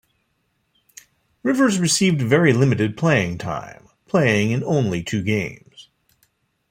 Rivers received very limited playing time, playing in only two games.